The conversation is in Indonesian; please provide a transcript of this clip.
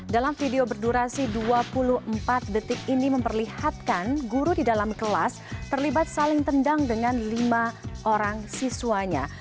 dalam video berdurasi dua puluh empat detik ini memperlihatkan guru di dalam kelas terlibat saling tendang dengan lima orang siswanya